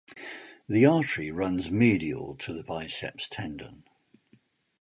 The artery runs medial to the biceps tendon.